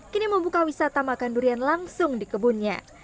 kini membuka wisata makan durian langsung di kebunnya